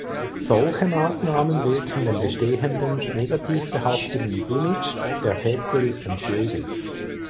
Solche Maßnahmen wirken dem bestehenden negativ behafteten Image der Veddel entgegen.